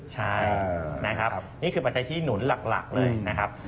ใช่นะครับนี่คือปัจจัยที่หนุนหลักเลยนะครับ